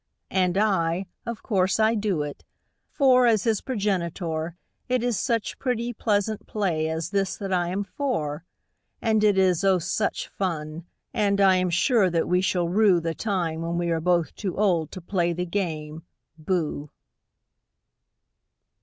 And I of course I do it; for, as his progenitor, It is such pretty, pleasant play as this that I am for! And it is, oh, such fun I am sure that we shall rue The time when we are both too old to play the game "Booh!"